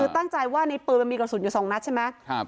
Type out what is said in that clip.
ตั้งใจว่าในปืนมันมีกระสุนอยู่๒นัดใช่ไหม